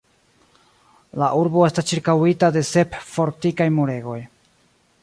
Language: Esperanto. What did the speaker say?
La urbo estas ĉirkaŭita de sep fortikaj muregoj.